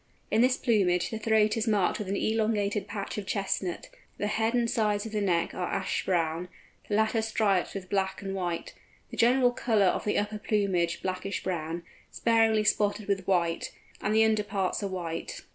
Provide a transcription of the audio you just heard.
In this plumage the throat is marked with an elongated patch of chestnut; the head, and sides of the neck are ash brown, the latter striped with black and white, the general colour of the upper plumage blackish brown, sparingly spotted with white, and the under parts are white.